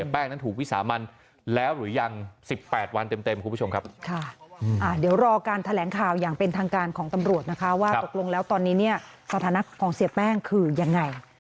โปรดติดตามตอนต่อไป